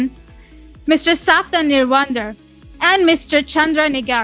pak safda nirwander dan pak chandra nigara